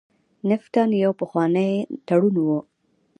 نفټا یو پخوانی تړون و.